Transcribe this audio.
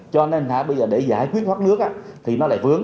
cho nên bây giờ để giải quyết thoát nước thì nó lại vướng